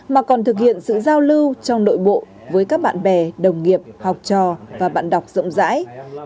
mà còn thực hiện sự giao lưu trong nội bộ với các bạn bè đồng nghiệp học trò và bạn đọc rộng rãi